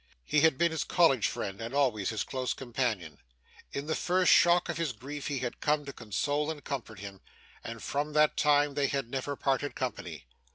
He had been his college friend and always his close companion; in the first shock of his grief he had come to console and comfort him; and from that time they had never parted company.